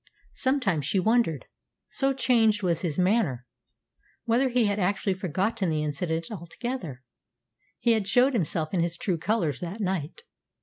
Sometimes she wondered, so changed was his manner, whether he had actually forgotten the incident altogether. He had showed himself in his true colours that night.